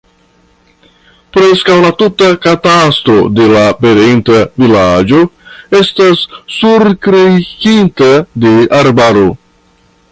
Preskaŭ la tuta katastro de la pereinta vilaĝo estas surkrejkinta de arbaro.